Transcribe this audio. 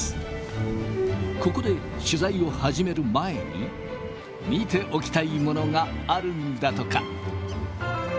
ここで取材を始める前に見ておきたいものがあるんだとか。